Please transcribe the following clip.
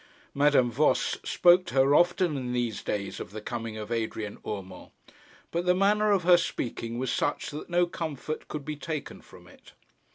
Madame Voss spoke to her often in these days of the coming of Adrian Urmand, but the manner of her speaking was such that no comfort could be taken from it.